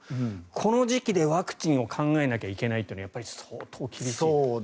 この時期でワクチンを考えなきゃいけないというのは相当厳しいと。